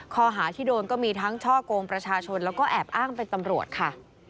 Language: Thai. ข้อหาที่โดนก็มีทั้งช่อกงประชาชนแล้วก็แอบอ้างเป็นตำรวจค่ะ